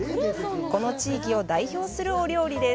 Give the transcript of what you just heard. この地域を代表するお料理です。